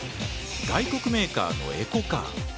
外国メーカーのエコカー。